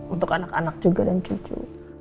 untuk anak anak juga dan cucu